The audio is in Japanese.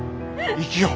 生きよう。